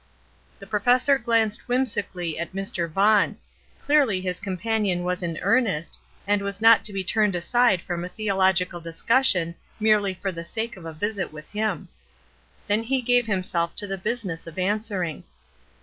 The professor glanced whimsically at Mr. Vaughn; clearly his companion was in earnest, and was not to be turned aside from a theological discussion merely for the sake of a visit wdth him. Then he gave himself to the business of answering.